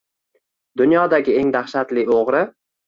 Dunyodagi eng dahshatli oʻgʻri.